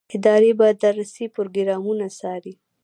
ادارې به درسي پروګرامونه وڅاري.